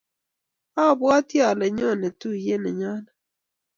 abwatii ale nyonii tuuye nenyone.